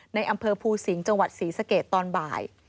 ในอำเภอภูสิงห์จังหวัดศรีสเกตตอนบ่าย